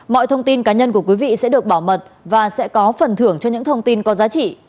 mọi thông tin cá nhân của quý vị sẽ được bảo mật và sẽ có phần thưởng cho những thông tin có giá trị